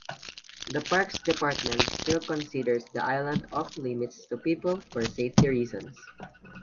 The parks department still considers the island off-limits to people for safety reasons.